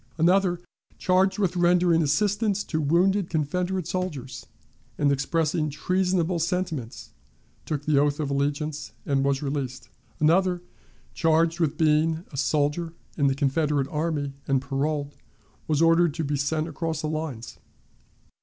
Another, charged with rendering assistance to wounded Confederate soldiers, and expressing treasonable sentiments, took the oath of allegiance and was released. Another, charged with being a soldier in the Confederate army and paroled, was ordered to be sent across the lines.